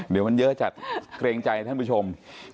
เดี๋ยวมันเยอะจัดเกรงใจท่านผู้ชม